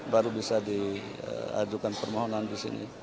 baru bisa diajukan permohonan di sini